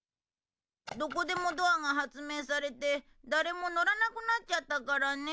どこでもドアが発明されて誰も乗らなくなっちゃったからね。